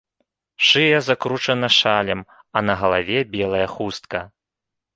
Шыя закручана шалем, а на галаве белая хустка.